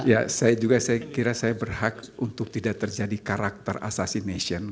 ya saya juga saya kira saya berhak untuk tidak terjadi karakter asasination